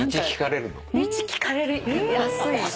道聞かれるの？